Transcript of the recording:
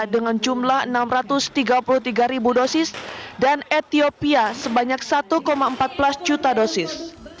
dengan jumlah enam ratus tiga puluh tiga ribu dosis dan ethiopia sebanyak satu empat belas juta dosis